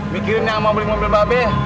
mikirin yang mau beli mobil babih